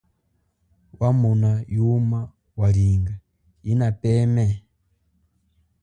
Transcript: Wamona yuma walinga yinapeme ?